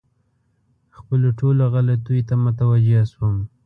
خپلو ټولو غلطیو ته متوجه شوم.